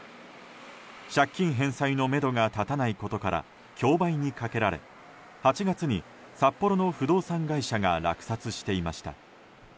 借金返済のめどが立たないことから競売にかけられ８月に札幌の不動産会社が落札していました。